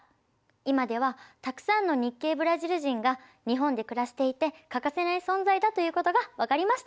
今ではたくさんの日系ブラジル人が日本で暮らしていて欠かせない存在だということが分かりました。